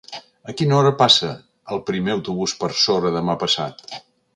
A quina hora passa el primer autobús per Sora demà passat?